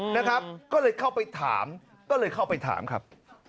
นะครับก็เลยเข้าไปถามครับ